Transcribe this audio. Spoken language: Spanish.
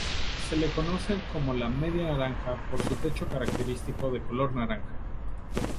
Se le conoce como "La Media Naranja" por su techo característico de color naranja.